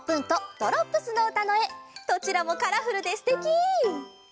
どちらもカラフルですてき！